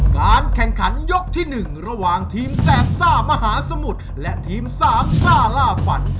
การแข่งขันยกที่๑ระหว่างทีมแสบซ่ามหาสมุทรและทีมสามซ่าล่าฝัน